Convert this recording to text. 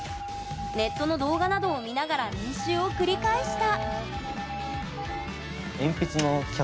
ネットの動画などを見ながら練習を繰り返した。